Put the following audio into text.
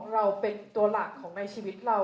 เราเป็นตัวหลักของในชีวิตเรา